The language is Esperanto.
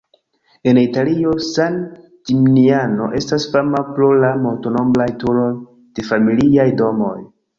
En Italio, San Ĝiminiano estas fama pro la multnombraj turoj de familiaj domoj.